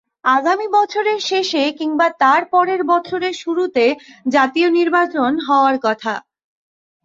আগামী বছরের শেষে কিংবা তার পরের বছরের শুরুতে জাতীয় নির্বাচন হওয়ার কথা।